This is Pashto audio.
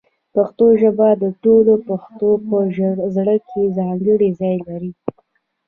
پښتو ژبه د ټولو پښتنو په زړه کې ځانګړی ځای لري.